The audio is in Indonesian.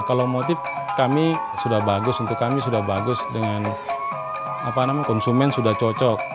kalau motif kami sudah bagus untuk kami sudah bagus dengan konsumen sudah cocok